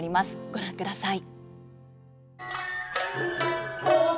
ご覧ください。